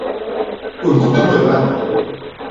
O encontro moi ben.